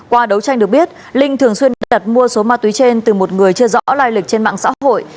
qua đấu tranh được biết linh thường xuyên đặt mua số ma túy trên từ một người chưa rõ lai lịch trên mạng xã hội